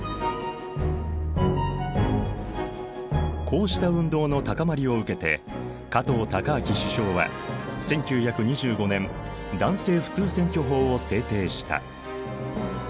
こうした運動の高まりを受けて加藤高明首相は１９２５年男性普通選挙法を制定した。